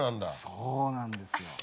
そうなんですよ。